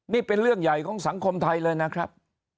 นี่เป็นเรื่องใหญ่ของสังคมไทยเลยนะครับ